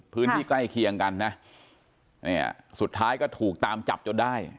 พื้นที่ใกล้เคียงกันนะเนี่ยสุดท้ายก็ถูกตามจับจนได้